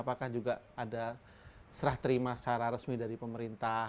apakah juga ada serah terima secara resmi dari pemerintah